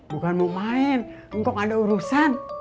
bukan mau main engkau ada urusan